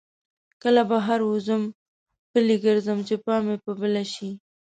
کله بهر وځم پلی ګرځم چې پام مې په بله شي.